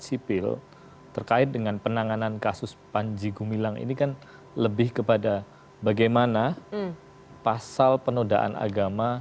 sipil terkait dengan penanganan kasus panji gumilang ini kan lebih kepada bagaimana pasal penodaan agama